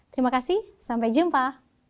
terima kasih sampai jumpa